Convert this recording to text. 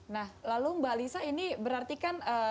nah lalu mbak lisa ini berartikan